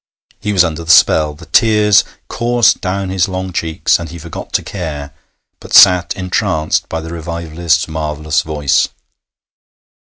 He was under the spell. The tears coursed down his long cheeks, and he forgot to care, but sat entranced by the revivalist's marvellous voice.